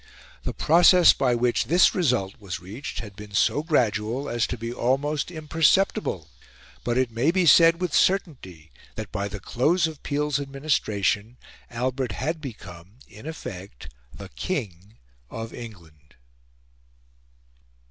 The process by which this result was reached had been so gradual as to be almost imperceptible; but it may be said with certainty that, by the close of Peel's administration, Albert had become, in effect, the King of England.